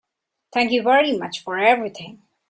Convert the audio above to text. Thank you very much for everything.